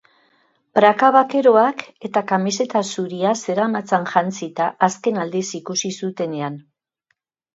Praka bakeroak eta kamiseta zuria zeramatzan jantzita azken aldiz ikusi zutenean.